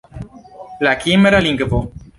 La kimra lingvo.